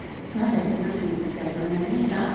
その辺りはどんなふうにＶＴＲご覧になりました？